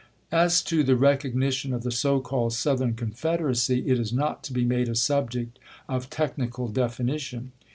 As to the recognition of the so called Southern Con federacy it is not to be made a subject of technical defini tion.